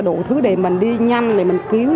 đủ thứ để mình đi nhanh để mình cứu